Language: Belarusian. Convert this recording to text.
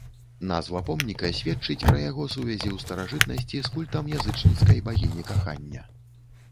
Назва помніка сведчыць пра яго сувязі ў старажытнасці з культам язычніцкай багіні кахання.